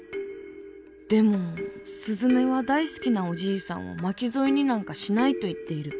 でもすずめは大好きなおじいさんを巻き添えになんかしないと言っている。